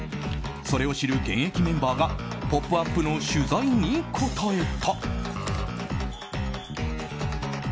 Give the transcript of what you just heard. それを知る現役メンバーが「ポップＵＰ！」の取材に答えた。